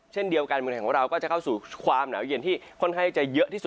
เช่นเดียวกันบริเวณของเราก็จะเข้าสู่ความหนาวเย็นที่คนไขจะเยอะที่สุด